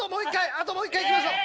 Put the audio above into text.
あともう一回いきましょう！